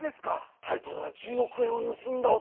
タイトルは「十億円を盗んだ男」。